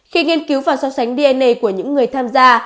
khi nghiên cứu và so sánh dn của những người tham gia